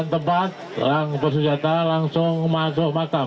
untuk yang bersenjata silakan segera masuk makam